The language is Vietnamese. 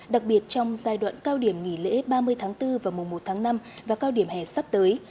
đặc biệt trong giai đoạn cao điểm nghỉ lễ ba mươi tháng bốn và mùa một tháng năm và cao điểm hè sắp tới